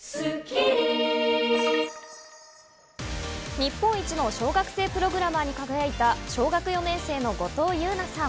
日本一の小学生プログラマーに輝いた小学４年生の後藤優奈さん。